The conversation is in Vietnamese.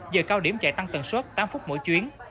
giờ cao điểm chạy tăng tần suất tám phút mỗi chuyến